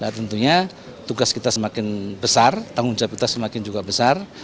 tentunya tugas kita semakin besar tanggung jawab kita semakin juga besar